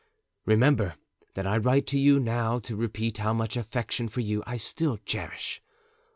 Remember that I write to you now to repeat how much affection for you I still cherish.